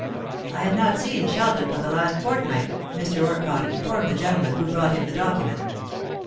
"I have not seen Sheldon for the last fortnight," Mr. Orcott informed the gentleman who brought him the document.